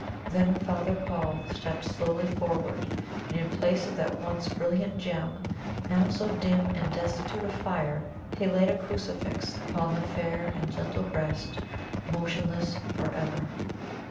Then Father Paul stepped slowly forward, and in place of that once brilliant gem, now so dim and destitute of fire, he laid a crucifix upon the fair and gentle breast, motionless for ever.